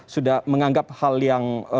sudah menganggap hal yang